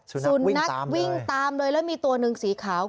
สุนัขวิ่งตามเลยสุนัขวิ่งตามเลยแล้วมีตัวหนึ่งสีขาว